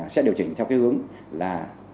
sẽ điều chỉnh theo cái hướng là